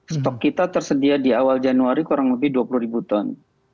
stok kita tersedia di awal januari kurang lebih dua puluh ribu ton